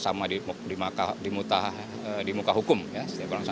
sama dengan pemerintah sama dengan pemerintah